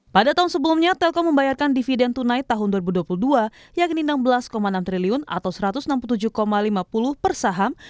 pada tahun sebelumnya telkom membayarkan dividen tunai tahun dua ribu dua puluh dua yakni rp enam belas enam triliun atau rp satu ratus enam puluh tujuh lima puluh per saham